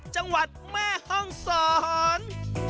จังหวัดแม่ห้องศร